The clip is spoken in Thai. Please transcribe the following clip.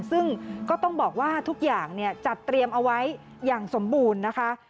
ซึ่งก็ต้องบอกว่าทุกอย่างจัดเตรียมเอาไว้อย่างสมบูรณ์นะคะ